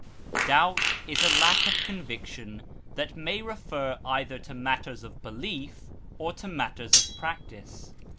Doubt is a lack of conviction that may refer either to matters of belief or to matters of practise.